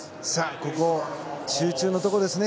ここ、集中のところですね